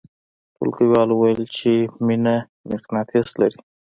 ټولګیوالو ویل چې مینه مقناطیس لري